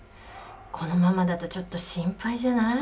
このままだとちょっと心配じゃない？